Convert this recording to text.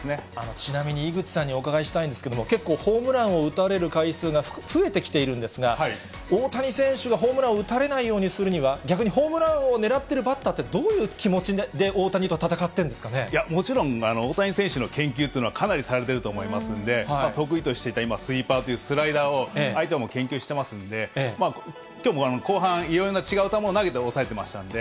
ちなみに井口さんにお聞きしたいんですけれども、結構ホームランを打たれる回数が増えてきているんですが、大谷選手がホームランを打たれないようにするには、逆にホームランを狙ってるバッターってどういう気持ちで大谷と戦もちろん、大谷選手の研究というのはかなりされてると思いますので、得意としていたスイーパーというスライダーを相手も研究してますんで、きょうも後半、いろいろな違う球を投げて抑えてましたんで、